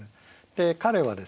彼はですね